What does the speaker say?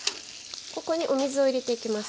ここにお水を入れていきます。